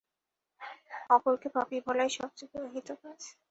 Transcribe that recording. অপরকে পাপী বলাই সবচেয়ে গর্হিত কাজ।